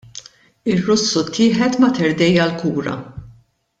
Ir-Russu ttieħed Mater Dei għall-kura.